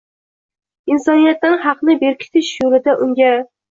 Insoniyatdan haqni berkitish yo‘lida unga